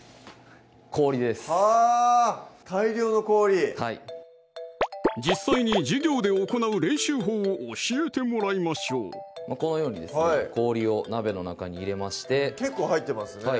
はぁ大量の氷はい実際に授業で行う練習法を教えてもらいましょうこのようにですね氷を鍋の中に入れまして結構入ってますね